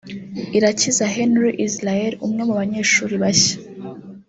Irakiza Henry Israel umwe mu banyeshuri bashya